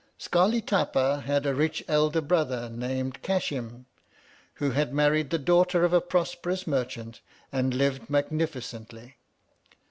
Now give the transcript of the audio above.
Scarli Tapa had a rich elder brother named CASHIM, who had married the daughter of a prosperous merchant, and lived magnificently.